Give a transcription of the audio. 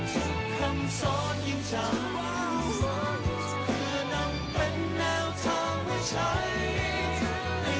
ทุกคำซ้อนอย่างจำเพื่อนำเป็นแนวทางไว้ใช้